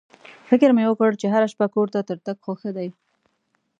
فکر مې وکړ چې هره شپه کور ته تر تګ خو ښه دی.